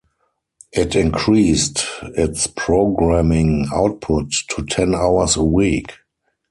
It increased its programming output to ten hours a week.